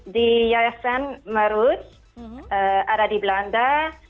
di yayasan merus ada di belanda